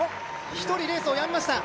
１人、レースをやめました。